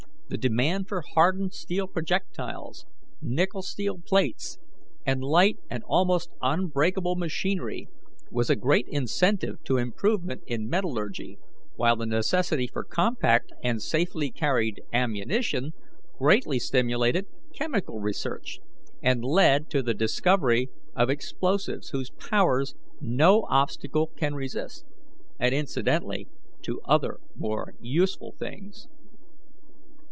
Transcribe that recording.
The demand for hardened steel projectiles, nickel steel plates, and light and almost unbreakable machinery, was a great incentive to improvement in metallurgy while the necessity for compact and safely carried ammunition greatly stimulated chemical research, and led to the discovery of explosives whose powers no obstacle can resist, and incidentally to other more useful things.